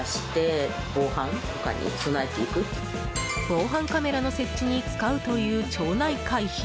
防犯カメラの設置に使うという町内会費。